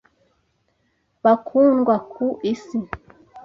bakundwa ku isi.